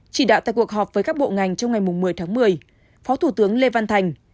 chỉ đạo tại cuộc họp với các bộ ngành trong ngày một mươi tháng một mươi phó thủ tướng lê văn thành